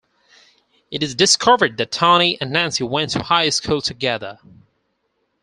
It is discovered that Tony and Nancy went to high school together.